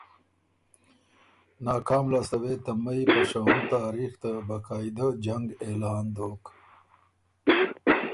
ناکام لاسته وې ته مئ په شهُم تاریخ ته باقاعده جنګ اعلان دوک۔